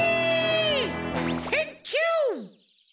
センキュー！